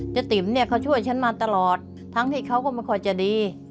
ติ๋มเนี่ยเขาช่วยฉันมาตลอดทั้งที่เขาก็ไม่ค่อยจะดี